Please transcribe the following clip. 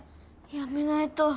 やめないと！